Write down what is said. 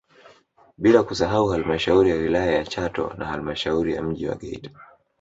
Blia kusahau halmashauri ya wilaya ya Chato na halmasahauri ya mji wa Geita